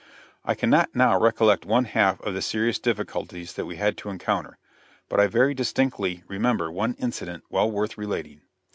I cannot now recollect one half of the serious difficulties that we had to encounter; but I very distinctly remember one incident well worth relating.